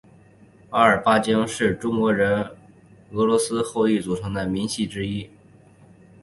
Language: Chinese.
阿尔巴津人是中国人中俄罗斯后裔组成的民系之一。